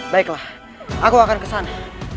baiklah aku akan kesana